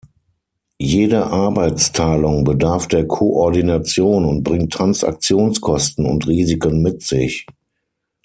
Jede Arbeitsteilung bedarf der Koordination und bringt Transaktionskosten und -risiken mit sich.